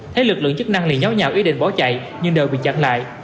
thấy lực lượng chức năng liên nhau nhau ý định bỏ chạy nhưng đều bị chặn lại